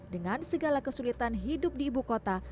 dengan segala kesulitan hidup di ibu kota